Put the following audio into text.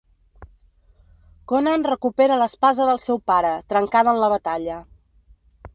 Conan recupera l'espasa del seu pare, trencada en la batalla.